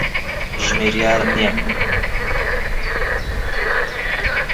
ژمێریارم نییە.